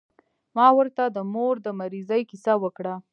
ما ورته د مور د مريضۍ کيسه وکړه.